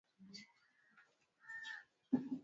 Maridadi kama kipepeo.